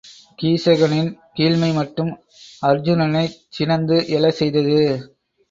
கீசகனின் கீழ்மைமட்டும் அருச்சுனனைச் சினந்து எழ செய்தது.